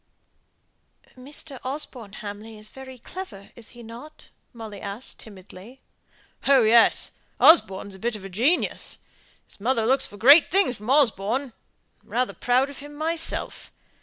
"Mr. Osborne Hamley is very clever, is he not?" Molly asked, timidly. "Oh, yes. Osborne's a bit of a genius. His mother looks for great things from Osborne. I'm rather proud of him myself.